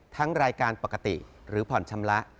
รายการปกติหรือผ่อนชำระ